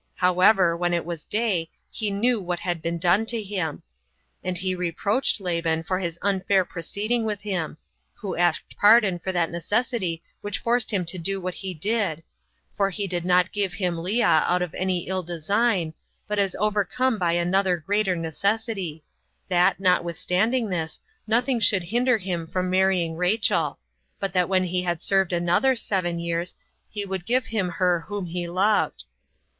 However, when it was day, he knew what had been done to him; and he reproached Laban for his unfair proceeding with him; who asked pardon for that necessity which forced him to do what he did; for he did not give him Lea out of any ill design, but as overcome by another greater necessity: that, notwithstanding this, nothing should hinder him from marrying Rachel; but that when he had served another seven years, he would give him her whom he loved.